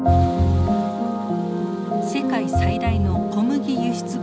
世界最大の小麦輸出国